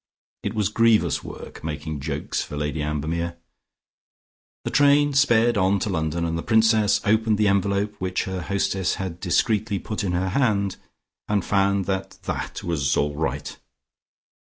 It was grievous work making jokes for Lady Ambermere. The train sped on to London, and the Princess opened the envelope which her hostess had discreetly put in her hand, and found that that was all right.